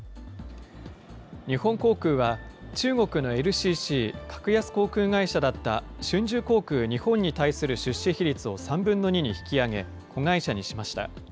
日本航空は、中国のＬＣＣ・格安航空会社だった春秋航空日本に対する出資比率を３分の２に引き上げ、子会社にしました。